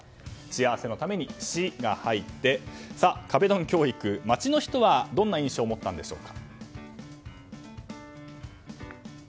幸せのために「シ」が入って壁ドン教育、街の人はどんな印象を持ったんでしょう。